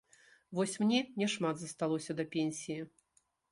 Вось мне няшмат засталося да пенсіі.